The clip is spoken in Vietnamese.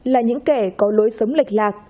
là những kẻ có lối sống lệch lạc